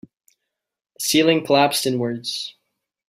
The ceiling collapsed inwards.